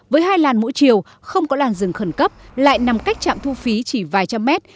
với hai làn mỗi chiều không có làn rừng khẩn cấp lại nằm cách trạm thu phí chỉ vài trăm mét